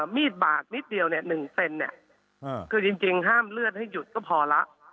มีดบากนิดเดียว๑เซนเนี่ยคือจริงห้ามเลือดให้หยุดก็พอแล้ว